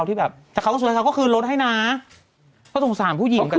แต่เขาก็คืนลดให้นะเพราะสงสารผู้หญิงกับแม่